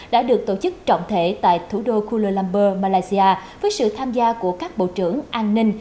đã được tổ chức trọng thể tại thủ đô kuala lumbur malaysia với sự tham gia của các bộ trưởng an ninh